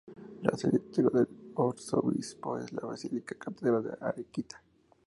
La sede titular del arzobispo es la Basílica Catedral de Arequipa.